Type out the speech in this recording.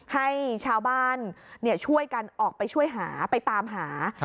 ให้ชาวบ้านช่วยกันออกไปช่วยหาไปตามหา